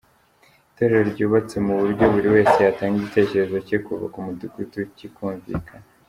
Itorero ryubatse mu buryo buri wese yatanga igitekerezo cye kuva ku mudugudu kikumvikana.